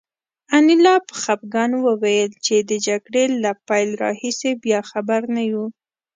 انیلا په خپګان وویل چې د جګړې له پیل راهیسې بیا خبر نه یو